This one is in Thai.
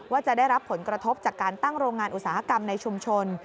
ว่าจะได้รับผลกระทบจากการตั้งโรงงานอุตสาหกรรมในชุมชน